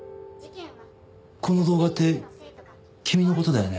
この動画って君の事だよね？